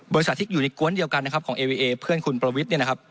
ที่อยู่ในกวนเดียวกันนะครับของเอวีเอเพื่อนคุณประวิทย์เนี่ยนะครับ